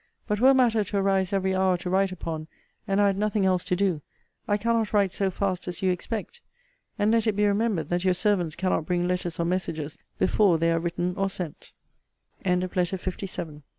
But were matter to arise every hour to write upon, and I had nothing else to do, I cannot write so fast as you expect. And let it be remembered, that your servants cannot bring letters or messages before they are written or sent. LETTER LVIII DR. H. TO JAMES HARLOWE, S